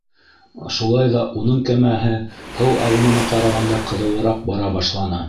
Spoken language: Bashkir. Шулай ҙа уның кәмәһе һыу ағымына ҡарағанда ҡыҙыуыраҡ бара башланы.